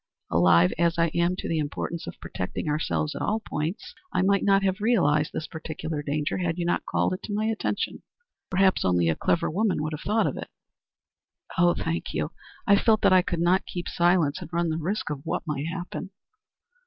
Alive as I am to the importance of protecting ourselves at all points, I might not have realized this particular danger had you not called it to my attention. Perhaps only a clever woman would have thought of it." "Oh, thank you. I felt that I could not keep silence, and run the risk of what might happen."